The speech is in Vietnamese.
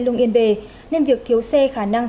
lương yên bề nên việc thiếu xe khả năng